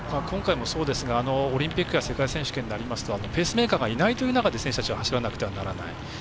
今回もそうですがオリンピックや世界選手権になりますとペースメーカーがいない中で選手たちは走らなければいけない。